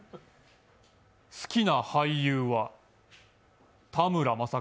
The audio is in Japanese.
好きな俳優は田村正和。